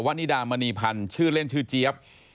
นิดามณีพันธ์ชื่อเล่นชื่อเจี๊ยบ